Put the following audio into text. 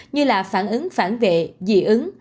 như là phản ứng phản vệ dị ứng